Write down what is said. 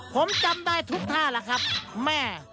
ผมจำได้ทุกท่าแล้วครับแม่